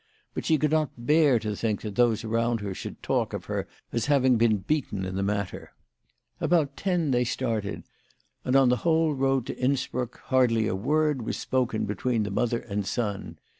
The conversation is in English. But she could not bear to think that those around her should talk of her as having been beaten in the matter. About ten they started, and on the whole road to Innsbruck hardly a word was spoken between the mother and son.